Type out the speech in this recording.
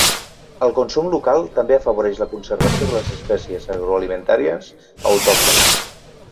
El consum local també afavoreix la conservació de les espècies agroalimentàries autòctones.